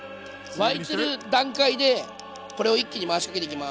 沸いてる段階でこれを一気に回しかけていきます。